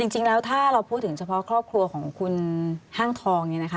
จริงแล้วถ้าเราพูดถึงเฉพาะครอบครัวของคุณห้างทองเนี่ยนะคะ